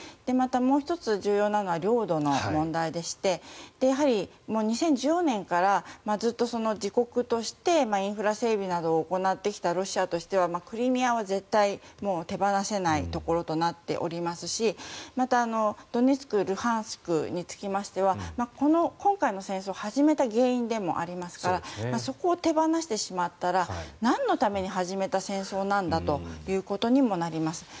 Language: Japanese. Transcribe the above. また、もう１つ重要なのは領土の問題でして２０１４年からずっと自国としてインフラ整備などを行ってきたロシアとしてはクリミアは絶対に手放せないところとなっておりますしまた、ドネツクルハンシクにつきましては今回の戦争を始めた原因でもありますからそこを手放してしまったらなんのために始めた戦争なんだということにもなります。